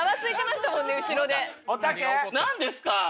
何ですか？